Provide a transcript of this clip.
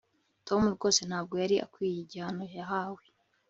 tom rwose ntabwo yari akwiye igihano yahawe